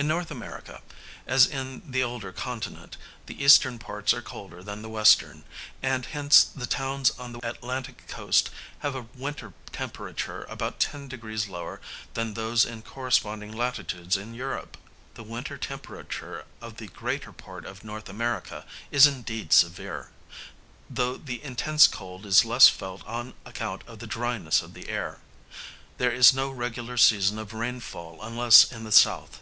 In N. America, as in the older continent, the eastern parts are colder than the western, and hence the towns on the Atlantic coast have a winter temperature about 10┬░ lower than those in corresponding latitudes of Europe. The winter temperature of the greater part of N. America is indeed severe, though the intense cold is less felt on account of the dryness of the air. There is no regular season of rainfall unless in the south.